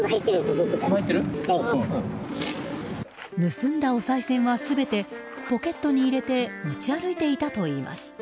盗んだおさい銭は全てポケットに入れて持ち歩いていたといいます。